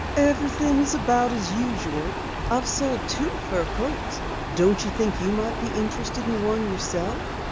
"Everything is about as usual. I've sold two fur coats. Don't you think you might be interested in one yourself?"